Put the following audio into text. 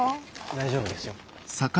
大丈夫ですよ。